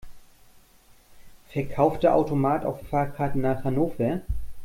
Verkauft der Automat auch Fahrkarten nach Hannover?